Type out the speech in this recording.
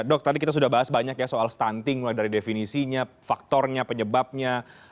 dok tadi kita sudah bahas banyak ya soal stunting mulai dari definisinya faktornya penyebabnya